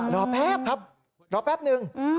แป๊บครับรอแป๊บนึง